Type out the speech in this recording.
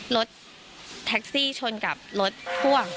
รถแท็กซี่ชนกับรถพ่วง